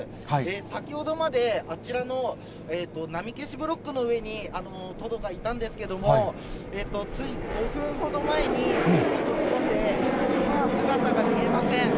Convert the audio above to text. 先ほどまで、あちらの波消しブロックの上にトドがいたんですけれども、つい５分ほど前に、海に飛び込んで、今は姿が見えません。